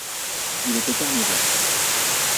Il était carnivore.